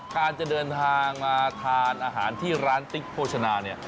การจะเดินทางมาทานอาหารที่ร้านติ๊กโภชนาเนี่ย